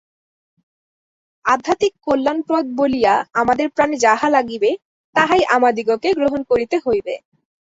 আধ্যাত্মিক কল্যাণপ্রদ বলিয়া আমাদের প্রাণে যাহা লাগিবে, তাহাই আমাদিগকে গ্রহণ করিতে হইবে।